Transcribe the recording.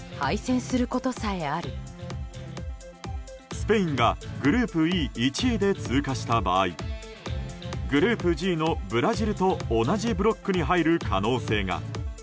スペインがグループＥ、１位で通過した場合グループＧのブラジルと同じブロックに入る可能性が。